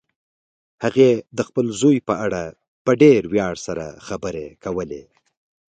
هغې د خپل زوی په اړه په ډېر ویاړ سره خبرې کولې